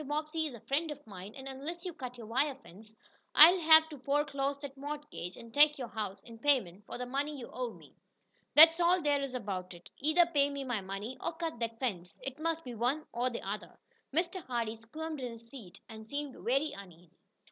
Bobbsey is a friend of mine and unless you cut your wire fence, I'll have to foreclose that mortgage, and take your house in payment for the money you owe me. That's all there is about it. Either pay me my money or cut that fence. It must be one or the other." Mr. Hardee squirmed in his seat, and seemed very uneasy.